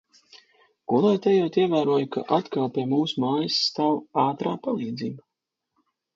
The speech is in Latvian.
Gulēt ejot, ievēroju, ka atkal pie mūsu mājās stāv ātrā palīdzība.